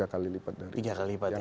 tiga kali lipat dari itu